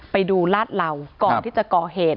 ไปดูลาดเหล่าก่อนที่จะก่อเหตุ